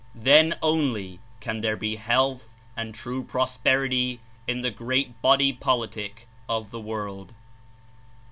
Then only can there be health and true prosperity in the great body politic of the world.